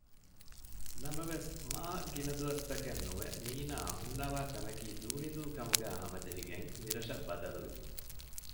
ނަމަވެސް މާގިނަދުވަސްތަކެއް ނުވެ މީނާ ހުންނަވާ ތަނަކީ ދޫނިދޫކަމުގައި ހަމަޖެހިގެން މިރަށަށް ބަދަލުވި